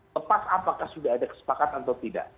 lepas apakah sudah ada kesepakatan atau tidak